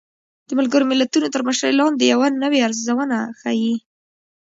د ملګرو ملتونو تر مشرۍ لاندې يوه نوې ارزونه ښيي